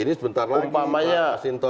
ini sebentar lagi pak washington